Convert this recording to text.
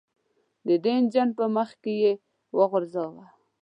د دې انجمن په مخ کې یې وغورځوه.